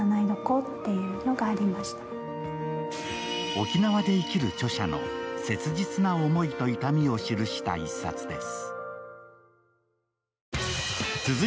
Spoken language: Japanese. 沖縄で生きる著者の切実な思いと痛みを記した一冊です。